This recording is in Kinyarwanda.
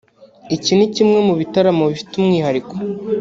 Iki ni kimwe mu bitaramo bifite umwihariko